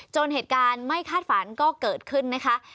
เหตุการณ์ไม่คาดฝันก็เกิดขึ้นนะคะ